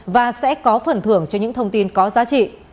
và sẽ có phần thưởng cho những thông tin có giá trị